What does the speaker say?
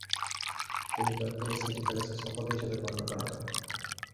তিনি জয়পুরের সিটি প্যালেসের স্থপতি হিসেবে গণ্য করা হয়।